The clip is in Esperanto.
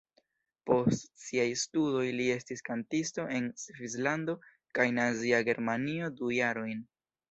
Post siaj studoj li estis kantisto en Svislando kaj Nazia Germanio du jarojn.